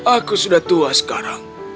aku sudah tua sekarang